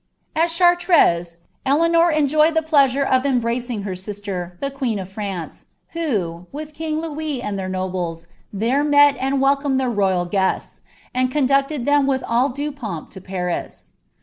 At Chartres. Eleanor enjoyed the pleasure of embracing her sister^ li< queen of Freuce, who, wilh king Louis and their noblea, Uiere nAu' I welcomed dielr royal guests, and couducted tliem with dl due ponp* Paris.'